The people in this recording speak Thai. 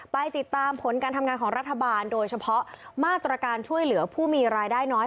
ไปติดตามผลการทำงานของรัฐบาลโดยเฉพาะมาตรการช่วยเหลือผู้มีรายได้น้อย